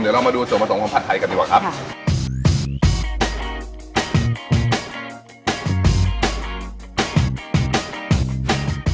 เดี๋ยวเรามาดูส่วนผสมของผัดไทยกันดีกว่าครับ